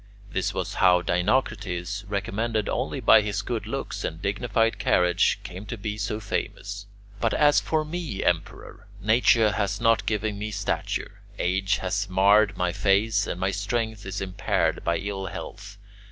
This was how Dinocrates, recommended only by his good looks and dignified carriage, came to be so famous. But as for me, Emperor, nature has not given me stature, age has marred my face, and my strength is impaired by ill health.